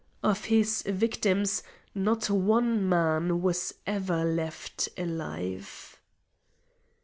Of his victims not one man was ever left alive.